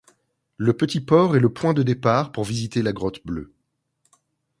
Le petit port est le point de départ pour visiter la grotte bleue.